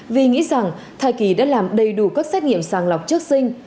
vì nghĩ rằng thai kỳ đã làm đầy đủ các xét nghiệm sàng lọc trước sinh